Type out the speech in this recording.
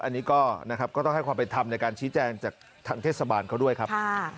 อันนี้ก็นะครับก็ต้องให้ความเป็นธรรมในการชี้แจงจากทางเทศบาลเขาด้วยครับ